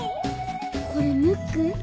これムック？